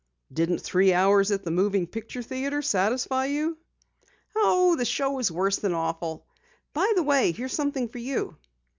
"Didn't three hours at the moving picture theatre satisfy you?" "Oh, the show was worse than awful. By the way, here's something for you."